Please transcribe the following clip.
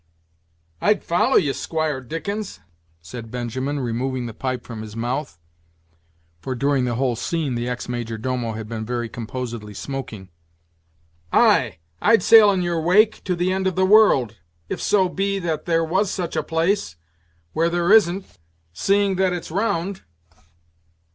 "I'd follow ye, Squire Dickens," said Benjamin, removing the pipe from his month (for during the whole scene the ex major domo had been very composedly smoking); "ay! I'd sail in your wake, to the end of the world, if so be that there was such a place, where there isn't, seeing that it's round.